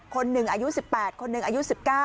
คนหนึ่งอายุ๑๘คนหนึ่งอายุ๑๙